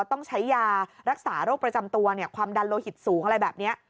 ต้องใช้ยารักษาโรคประจำตัวความดันโลหิตสูงอะไรแบบนี้